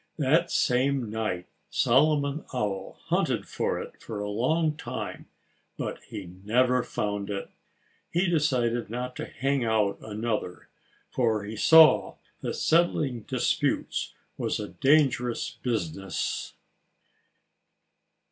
That same night Solomon Owl hunted for it for a long time. But he never found it. He decided not to hang out another, for he saw that settling disputes was a dangerous business.